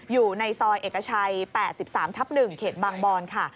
อยู่ในซอยเอกชัย๘๓ทับ๑เขตบางบอนค่ะ